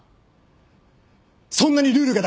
そんなにルールが大事か！？